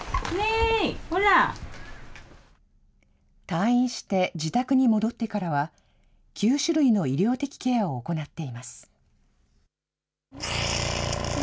退院して自宅に戻ってからは、９種類の医療的ケアを行っています。